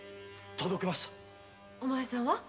届けましたお前さんは？